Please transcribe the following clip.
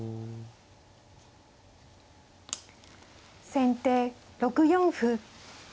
先手６四歩。